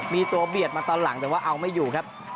มีตัวเบียดมาตอนหลังแต่ว่าเอาไม่อยู่ครับ